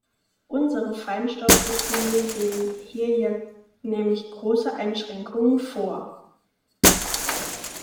Unsere Feinstaubrichtlinien sehen hier ja nämlich große Einschränkungen vor.